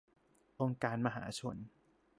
องค์การมหาชน